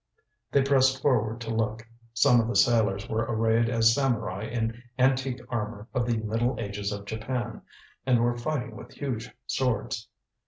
They pressed forward to look. Some of the sailors were arrayed as samurai in antique armour of the Middle Ages of Japan, and were fighting with huge swords.